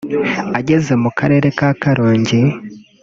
Ageze mu karere ka Karongi